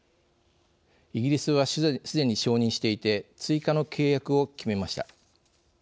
イギリスはすでに承認していて追加の契約を決めました。